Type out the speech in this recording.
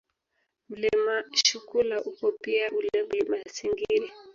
Mlima Shukula upo pia ule Mlima Singiri